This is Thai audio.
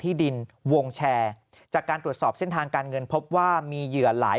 ที่ดินวงแชร์จากการตรวจสอบเส้นทางการเงินพบว่ามีเหยื่อหลาย